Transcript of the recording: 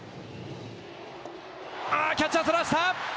キャッチャーそらした！